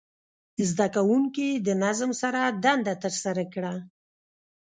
زده کوونکي د نظم سره دنده ترسره کړه.